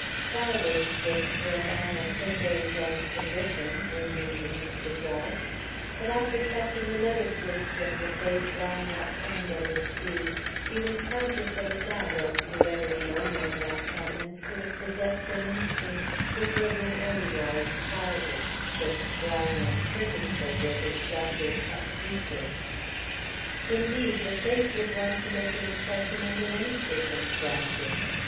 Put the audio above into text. "Childish tricks for a man of his age and position," ruminated Mr. Gryce; but after catching another glimpse of the face lying upturned at his feet he was conscious of a doubt as to whether the owner of that countenance could have possessed an instinct which was in any wise childish, so strong and purposeful were his sharply cut features. Indeed, the face was one to make an impression under any circumstances.